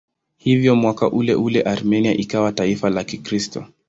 Hivyo mwaka uleule Armenia ikawa taifa la Kikristo.